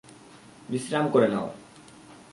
বিশ্রাম করে নাও।